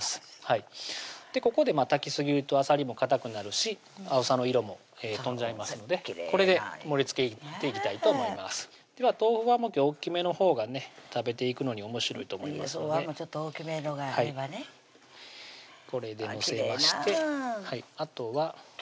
ここで炊きすぎるとあさりもかたくなるしあおさの色も飛んじゃいますのでこれで盛りつけていきたいと思いますでは豆腐は大っきめのほうがね食べていくのにおもしろいと思いますのでおわんもちょっと大きめのがあればねこれで載せましてきれいなぁ絹